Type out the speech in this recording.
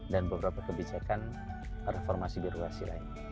dan beberapa kebijakan reformasi birokrasi lain